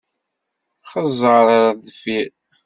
Xeẓẓeṛ ar deffir!